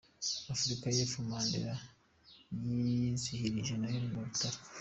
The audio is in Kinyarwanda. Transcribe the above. Afurika y’epfo Mandela yizihirije Noheli mu bitaro